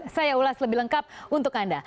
saya ulas lebih lengkap untuk anda